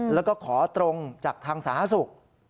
แล้วก็ขอตรงจากทางสหศุกร์